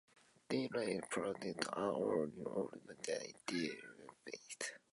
These lay persons are only allowed to celebrate the sacraments in their appointments.